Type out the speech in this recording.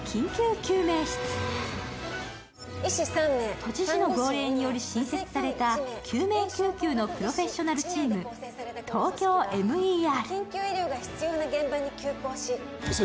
都知事の号令により新設された救命救急のプロフェッショナルチーム、ＴＯＫＹＯＭＥＲ。